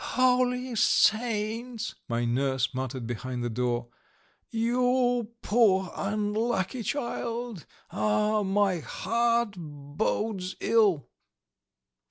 "Holy Saints!" my nurse muttered behind the door. "You poor, unlucky child! Ah, my heart bodes ill!"